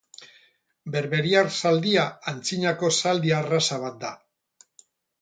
Berberiar zaldia antzinako zaldi arraza bat da.